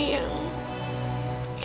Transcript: ayah yang punya ayah